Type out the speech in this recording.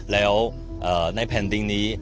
แล้วในแผ่นดินนี้